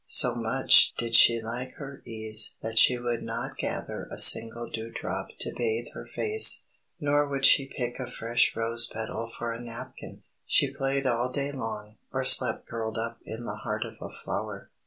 So much did she like her ease that she would not gather a single dew drop to bathe her face, nor would she pick a fresh rose petal for a napkin. She played all day long, or slept curled up in the heart of a flower.